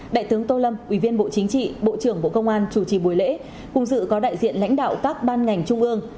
đại tướng tô lâm ủy viên bộ chính trị bộ trưởng bộ công an chủ trì buổi lễ cùng dự có đại diện lãnh đạo các ban ngành trung ương